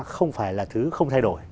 không phải là thứ không thay đổi